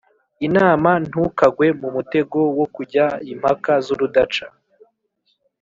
Inama ntukagwe mu mutego wo kujya impaka z urudaca